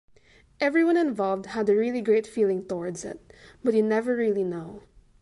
Everyone involved had a great feeling towards it, but you never really know.